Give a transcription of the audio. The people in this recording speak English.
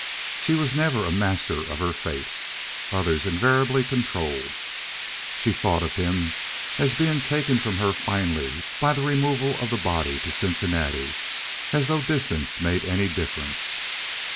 She was never a master of her fate. Others invariably controlled. She thought of him as being taken from her finally by the removal of the body to Cincinnati, as though distance made any difference.